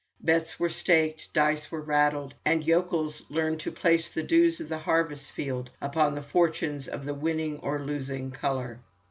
Bets were staked, dice were rattled, and yokels learned to place the dues of the harvest field upon the fortunes of the winning or losing colour.